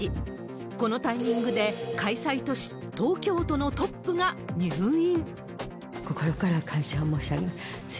このタイミングで開催都市、東京都のトップが入院。